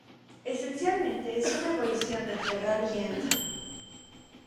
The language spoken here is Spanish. Esencialmente es una evolución del Ferrari Enzo.